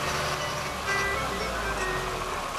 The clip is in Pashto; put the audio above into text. ملکیت د هر چا شخصي واک دی.